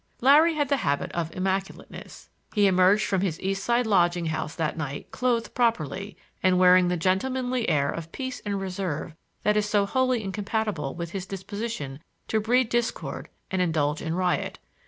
Larry had the habit of immaculateness. He emerged from his East side lodging house that night clothed properly, and wearing the gentlemanly air of peace and reserve that is so wholly incompatible with his disposition to breed discord and indulge in riot.